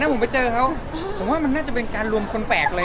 ผมไปเจอเขาผมว่ามันน่าจะเป็นการรวมคนแปลกเลย